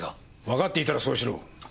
わかっていたらそうしろ。